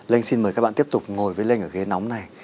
linh xin mời các bạn tiếp tục ngồi với lên ở ghế nóng này